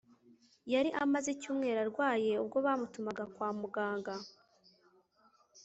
Yari amaze icyumweru arwaye ubwo batumaga kwa muganga